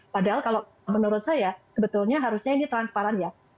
padahal kalau menurut saya sebetulnya harusnya ini transparan ya